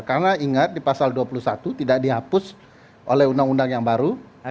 karena ingat di pasal dua puluh satu tidak dihapus oleh undang undang yang baru